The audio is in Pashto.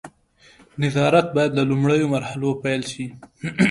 نظارت باید له لومړیو مرحلو پیل شي.